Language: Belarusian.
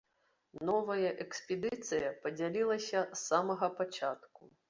Новая экспедыцыя падзялілася з самага пачатку.